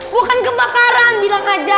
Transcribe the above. bukan kebakaran bilang aja